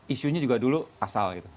isunya juga dulu asal gitu